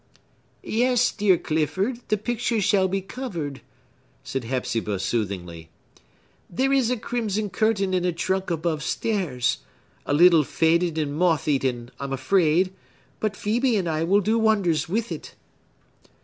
"Yes, dear Clifford, the picture shall be covered," said Hepzibah soothingly. "There is a crimson curtain in a trunk above stairs,—a little faded and moth eaten, I'm afraid,—but Phœbe and I will do wonders with it."